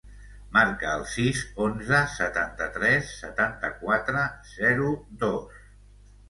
Marca el sis, onze, setanta-tres, setanta-quatre, zero, dos.